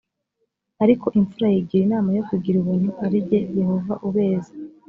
ariko imfura yigira inama yo kugira ubuntu ari jye yehova ubeza